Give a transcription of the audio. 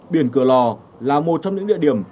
biển cửa lò là một trong những địa điểm